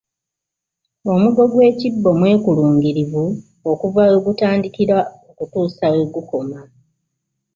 Omugo gw’ekibbo mwekulungirivu okuva we gutandikira okutuuka we gukoma.